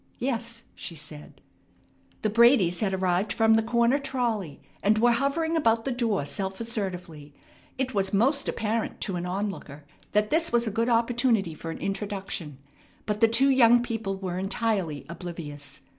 "Yes," she said. The Bradys had arrived from the corner trolley, and were hovering about the door self assertively. It was most apparent to an onlooker that this was a good opportunity for an introduction, but the two young people were entirely oblivious.